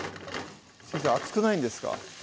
先生熱くないんですか？